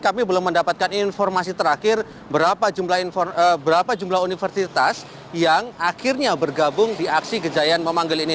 kami belum mendapatkan informasi terakhir berapa jumlah universitas yang akhirnya bergabung di aksi gejayan memanggil ini